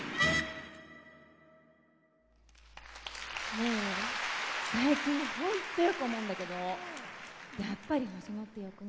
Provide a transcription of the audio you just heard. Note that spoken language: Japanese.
ねえ最近本当よく思うんだけどやっぱりホソノってよくない？